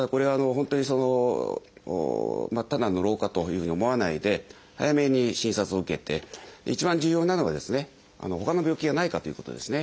本当にただの老化というふうに思わないで早めに診察を受けて一番重要なのはほかの病気がないかということですね。